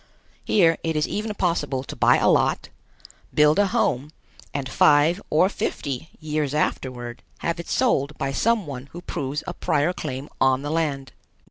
Here it is even possible to buy a lot, build a home, and five or fifty years afterward have it sold by some one who proves a prior claim on the land.